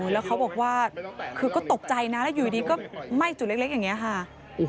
แล้วเขาบอกว่าคือก็ตกใจนะแล้วอยู่ดีก็ไหม้จุดเล็กอย่างนี้ค่ะ